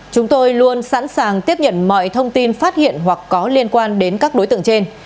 chúng tôi luôn sẵn sàng tiếp nhận mọi thông tin phát hiện hoặc có liên quan đến các đối tượng trên